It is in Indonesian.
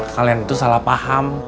kalian tuh salah paham